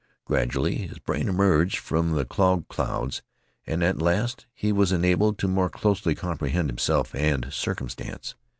Gradually his brain emerged from the clogged clouds, and at last he was enabled to more closely comprehend himself and circumstance.